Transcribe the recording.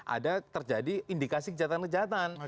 ada terjadi indikasi kejahatan kejahatan